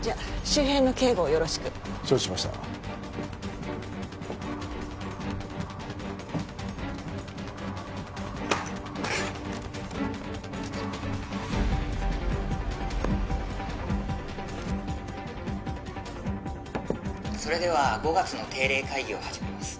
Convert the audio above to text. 周辺の警護をよろしく承知しましたそれでは５月の定例会議を始めます